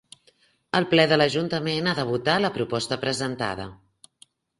El Ple de l'Ajuntament ha de votar la proposta presentada.